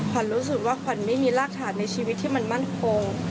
รู้สึกว่าขวัญไม่มีรากฐานในชีวิตที่มันมั่นคง